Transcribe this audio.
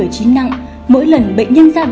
khi rơi vào nhà nhà